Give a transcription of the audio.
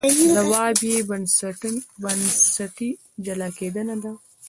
ځواب یې بنسټي جلا کېدنه ده.